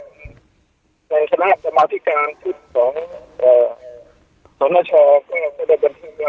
ขอดีครับ